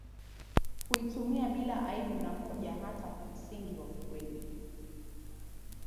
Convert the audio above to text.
huitumia bila aibu na hoja hata kwa msingi wa ukweli